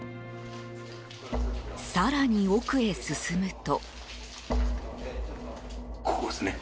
更に奥へ進むと。